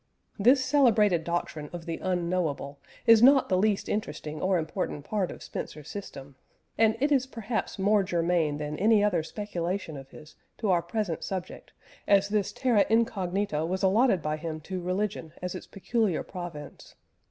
This celebrated doctrine of the Unknowable is not the least interesting or important part of Spencer's system, and it is perhaps more germane than any other speculation of his to our present subject, as this terra incognita was allotted by him to religion as its peculiar province.